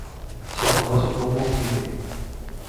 Se conoce como "pipe".